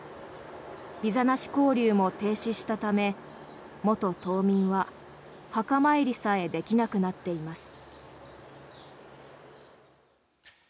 ビザなし交流も停止したため元島民は墓参りさえできなくなっています。